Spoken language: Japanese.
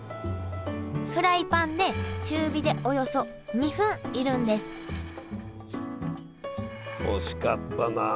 フライパンで中火でおよそ２分煎るんです惜しかったな。